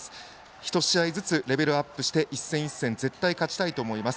１試合ずつレベルアップして一戦一戦絶対勝ちたいと思います。